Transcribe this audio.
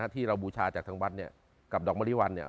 ที่เราบูชาจากทางวัดเนี่ยกับดอกมะลิวัลเนี่ย